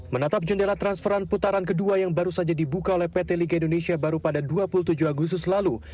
menatap jendela transferan putaran kedua yang baru saja dibuka oleh pt liga indonesia baru pada dua puluh tujuh agustus lalu